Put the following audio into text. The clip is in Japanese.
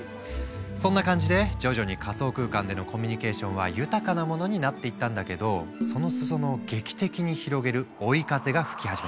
そんな感じで徐々に仮想空間でのコミュニケーションは豊かなものになっていったんだけどその裾野を劇的に広げる追い風が吹き始めた。